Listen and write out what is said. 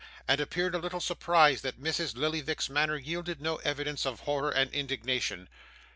and appeared a little surprised that Mrs. Lillyvick's manner yielded no evidences of horror and indignation.